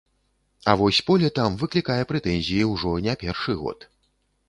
А вось поле там выклікае прэтэнзіі ўжо не першы год.